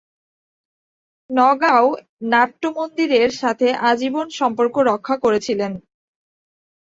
নগাঁও নাট্য মন্দিরের সাথে আজীবন সম্পর্ক রক্ষা করেছিলেন।